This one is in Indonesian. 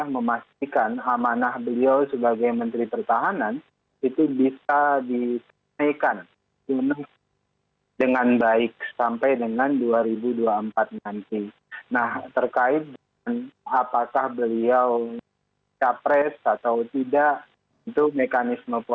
memang kalau menurut kalian